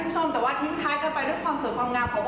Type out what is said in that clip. ใช่เรามีความมั่นใจ